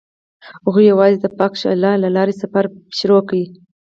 هغوی یوځای د پاک شعله له لارې سفر پیل کړ.